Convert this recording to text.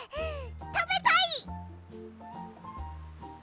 たべたい！